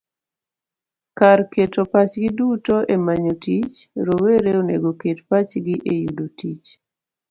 Kar keto pachgi duto e manyo tich, rowere onego oket pachgi e yudo tich.